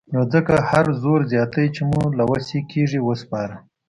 نو ځکه هر زور زياتی چې مو له وسې کېږي وسپاره.